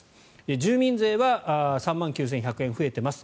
住民税は３万９１００円増えています